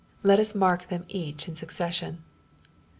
Let us mark them each in succession.